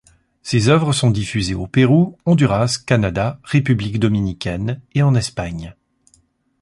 Ses œuvres sont diffusées au Pérou, Honduras, Canada, République dominicaine et en Espagne.